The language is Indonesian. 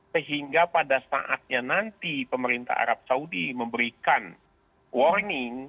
sehingga pada saatnya nanti pemerintah arab saudi memberikan warning